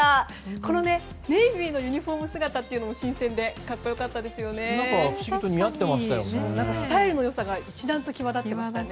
このネイビーのユニホーム姿も新鮮で格好良かったですよね。